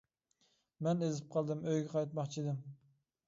-مەن ئېزىپ قالدىم، ئۆيگە قايتماقچى ئىدىم.